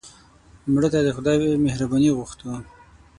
مړه ته د خدای مهرباني غوښتو